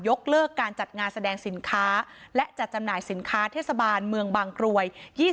เลิกการจัดงานแสดงสินค้าและจัดจำหน่ายสินค้าเทศบาลเมืองบางกรวย